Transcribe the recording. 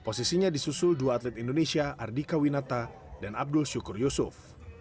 posisinya disusul dua atlet indonesia ardika winata dan abdul syukur yusuf